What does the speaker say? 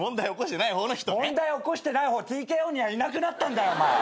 問題起こしてない方ＴＫＯにはいなくなったんだよ！